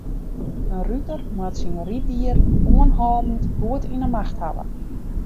In ruter moat syn ryddier oanhâldend goed yn 'e macht hawwe.